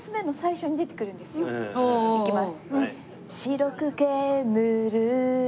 いきます。